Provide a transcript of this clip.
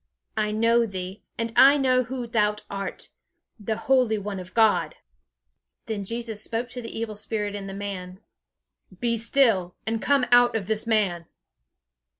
I know thee; and I know who thou art, the Holy one of God!" Then Jesus spoke to the evil spirit in the man: "Be still; and come out of this man!"